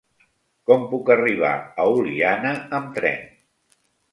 Com puc arribar a Oliana amb tren?